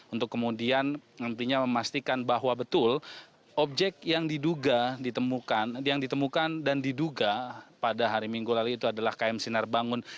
untuk kemudian nantinya memastikan bahwa betul objek yang ditemukan dan diduga pada hari minggu lalu itu adalah km sinar bangun